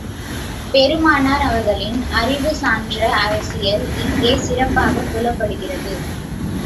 பெருமானார் அவர்களின் அறிவு சான்ற அரசியல் இங்கே சிறப்பாகப் புலப்படுகிறது.